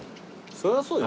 そりゃそうよ。